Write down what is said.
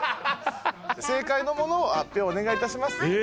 正解のものを発表お願い致します。